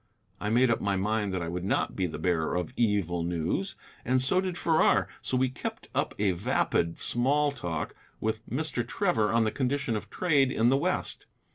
I made up my mind that I would not be the bearer of evil news, and so did Farrar, so we kept up a vapid small talk with Mr. Trevor on the condition of trade in the West.